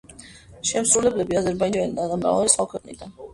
შემსრულებლები აზერბაიჯანიდან და მრავალი სხვა ქვეყნიდან.